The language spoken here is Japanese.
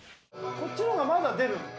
こっちのほうがまだ出る？